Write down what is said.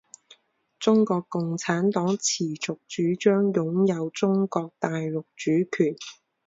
中国共产党持续主张拥有中国大陆主权。